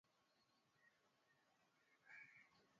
na Kiarabu angalia orodha ya lugha za Uajemi